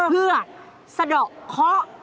เพื่อเสดะเคาะ